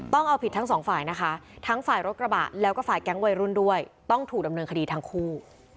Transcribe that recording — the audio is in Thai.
ต้องเอาผิดทั้งสองฝ่ายนะคะทั้งฝ่ายรถกระบะแล้วก็ฝ่ายแก๊งวัยรุ่นด้วยต้องถูกดำเนินคดีทั้งคู่